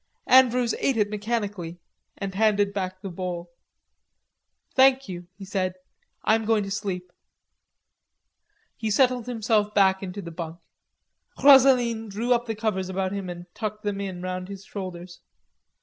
Andrews ate it mechanically, and handed back the bowl. "Thank you," he said, "I am going to sleep." He settled himself into the bunk. Rosaline drew the covers up about him and tucked them in round his shoulders.